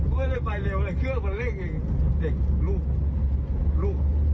ไม่ได้ไปเร็วเลยเชื่อคนเร่งเองเด็กลูก